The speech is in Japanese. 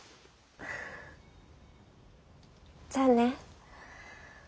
じゃあね。